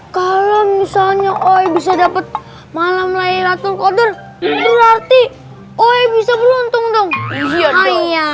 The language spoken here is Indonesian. kalau misalnya oh bisa dapet malam laylatul qadar berarti oh bisa beruntung dong iya